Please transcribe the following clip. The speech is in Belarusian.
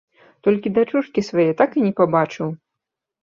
Толькі дачушкі свае так і не пабачыў.